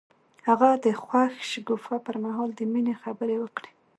هغه د خوښ شګوفه پر مهال د مینې خبرې وکړې.